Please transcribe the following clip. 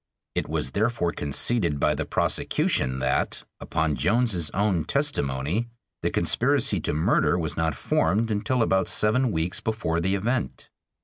It was therefore conceded by the prosecution that, upon Jones's own testimony, the conspiracy to murder was not formed until about seven weeks before the event.